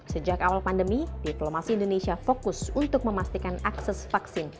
sejak awal pandemi diplomasi indonesia fokus untuk memastikan akses vaksin